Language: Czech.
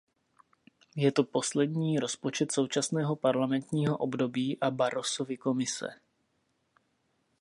Je to poslední rozpočet současného parlamentního období a Barrosovy Komise.